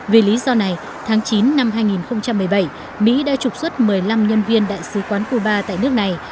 vì lý do này tháng chín năm hai nghìn một mươi bảy mỹ đã trục xuất một mươi năm nhân viên đại sứ quán cuba tại nước này